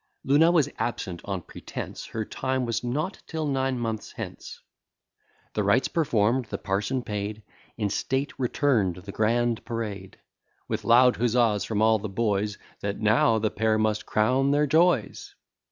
Luna was absent, on pretence Her time was not till nine months hence. The rites perform'd, the parson paid, In state return'd the grand parade; With loud huzzas from all the boys, That now the pair must crown their joys.